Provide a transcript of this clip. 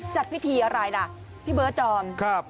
จัดพิธีอะไรล่ะพี่เบิร์ดดอม